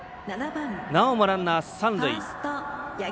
なおもランナー、三塁。